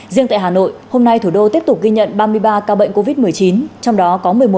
riêng tại hà nội hôm nay thủ đô tiếp tục ghi nhận ba mươi ba ca bệnh covid một mươi chín trong đó có một mươi một ca